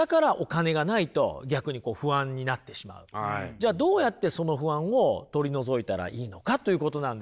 じゃあどうやってその不安を取り除いたらいいのかということなんですよ。